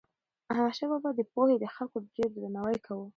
احمدشاه بابا به د پوهې د خلکو ډېر درناوی کاوه.